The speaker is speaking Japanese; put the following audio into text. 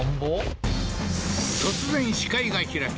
突然視界が開け